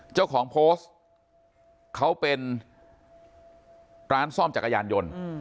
เจ้าของโพสต์เขาเป็นร้านซ่อมจักรยานยนต์